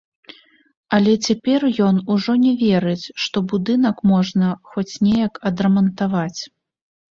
Але цяпер ён ужо не верыць, што будынак можна хоць неяк адрамантаваць.